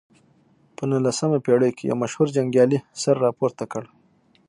په نولسمه پېړۍ کې یو مشهور جنګیالي سر راپورته کړ.